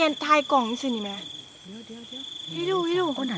เย็นเป็นนาเลย